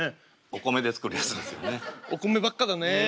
お米ばっかだねえ。